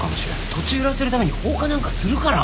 土地を売らせるために放火なんかするかなあ？